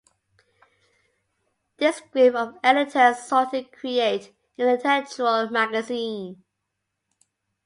This group of editors sought to create an intellectual magazine.